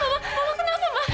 mama kenapa ma